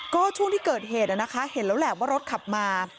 ก็ช่วงที่เกิดเหตุนะคะเห็นแล้วแหละว่ารถขับมา